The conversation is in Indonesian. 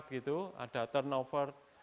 itu selalu ada turnover